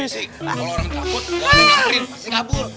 si kalau orang terlambat ada yang nyariin pasti kabur